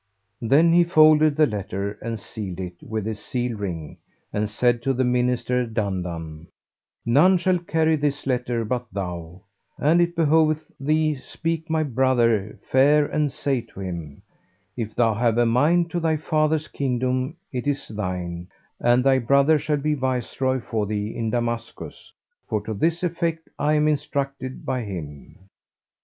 Then he folded the letter and sealed it with his seal ring and said to the Minister Dandan, "None shall carry this letter but thou; and it behoveth thee speak my brother fair and say to him, 'If thou have a mind to thy father's kingdom, it is thine, and thy brother shall be Viceroy for thee in Damascus; for to this effect am I instructed by him.'"